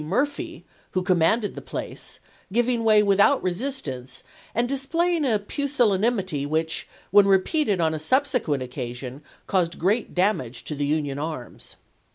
Murphy, who commanded the place, giving way without resist Grant> ance and displaying a pusillanimity which, when mSiS repeated on a subsequent occasion, caused great p?434.' damage to the Union arms.